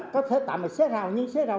có thể tạm xé rào nhưng xé rào